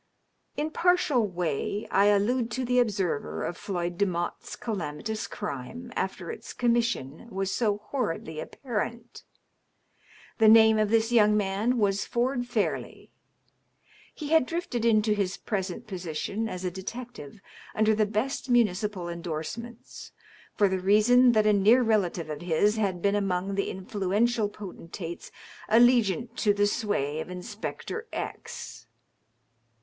In partial way I allude to the observer of Floyd Demotte's calami tous crime after its commission was so horridly apparent. The name of this young man was Ford Fairleigh. He had drifted into his J^resent position as a detective under the best municipal endorsements, or the reason that a near relative of his had been among the influen tial potentates allegiant to the sway of Inspector X